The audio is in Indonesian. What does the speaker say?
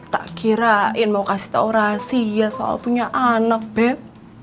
tak kirain mau kasih tau rahasia soal punya anak beb